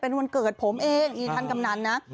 เป็นวันเกิดผมเองนี่ท่านกำนันนะ